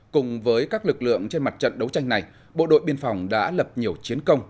cùng với các lực lượng trên mặt trận đấu tranh này bộ đội biên phòng đã lập nhiều chiến công